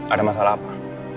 ada masalah apa